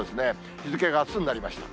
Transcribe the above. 日付があすになりました。